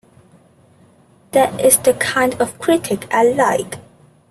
That is the kind of critic I like.